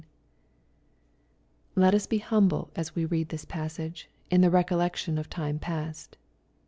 Let us be humble as we read this passage, in the recollection of time past.